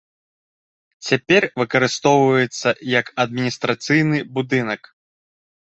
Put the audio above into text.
Цяпер выкарыстоўваецца як адміністрацыйны будынак.